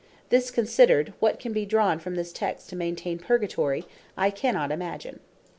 This Considered, what can be drawn from this text, to maintain Purgatory, I cannot imagine.